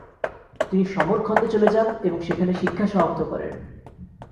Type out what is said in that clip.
তিনি সমরখন্দে চলে যান এবং সেখানে শিক্ষা সমাপ্ত করেন।